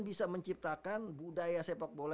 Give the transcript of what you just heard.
bisa menciptakan budaya sepak bola